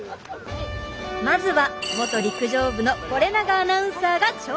まずは元陸上部の是永アナウンサーが挑戦！